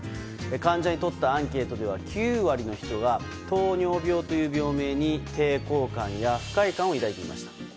患者にとったアンケートでは９割の人が糖尿病という病名に抵抗感や不快感を抱いていました。